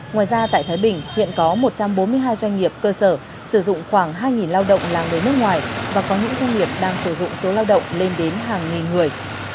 ngoài ra tại thái bình hiện có một trăm bốn mươi hai doanh nghiệp cơ sở sử dụng khoảng hai lao động là người nước ngoài và có những doanh nghiệp đang sử dụng số lao động lên đến hàng nghìn người